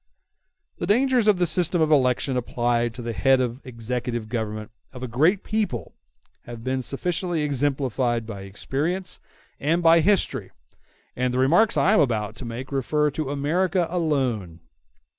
The dangers of the system of election applied to the head of the executive government of a great people have been sufficiently exemplified by experience and by history, and the remarks I am about to make refer to America alone.